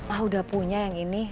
ah udah punya yang ini